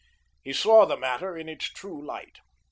He saw the matter in its true light.